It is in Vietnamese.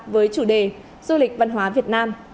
với chủ đề du lịch văn hóa việt nam